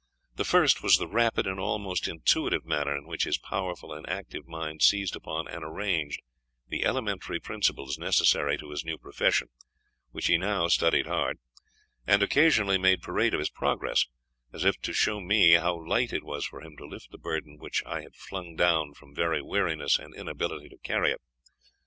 The first was the rapid and almost intuitive manner in which his powerful and active mind seized upon and arranged the elementary principles necessary to his new profession, which he now studied hard, and occasionally made parade of his progress, as if to show me how light it was for him to lift the burden which I had flung down from very weariness and inability to carry it.